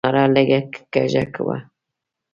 د پیالې کناره لږه کږه وه.